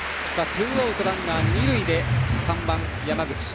ツーアウトランナー二塁で３番の山口。